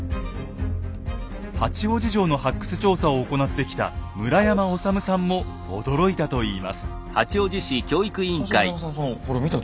八王子城の発掘調査を行ってきた村山修さんも驚いたといいます。